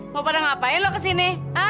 mau pada ngapain lo kesini